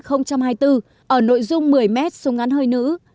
ở nội dung một mươi m xuống ngắn hơi nữ